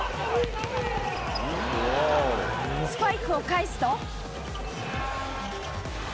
スパイクを返すと。